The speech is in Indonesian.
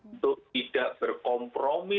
untuk tidak berkompromis